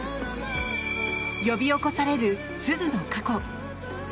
呼び起こされる鈴の過去。